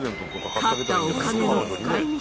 勝ったお金の使い道。